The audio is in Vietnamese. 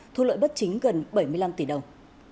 thu lợi bất chính gần bảy mươi năm tỷ đồng